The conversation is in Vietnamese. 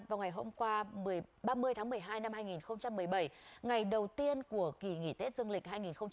vào ngày hôm qua ba mươi tháng một mươi hai năm hai nghìn một mươi bảy ngày đầu tiên của kỳ nghỉ tết dương lịch hai nghìn một mươi chín